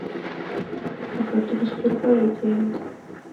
afata urusyo rwe aragenda